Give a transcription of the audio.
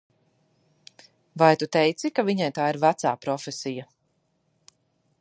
Vai tu teici ka viņai tā ir vecā profesija?